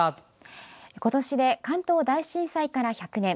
今年で関東大震災から１００年。